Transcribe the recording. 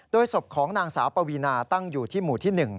ศพของนางสาวปวีนาตั้งอยู่ที่หมู่ที่๑